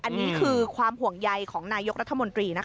อันนี้คือความห่วงใยของนายกรัฐมนตรีนะคะ